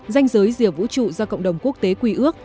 danh giới rìa vũ trụ do cộng đồng quốc tế quy ước